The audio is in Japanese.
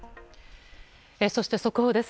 そして、速報です。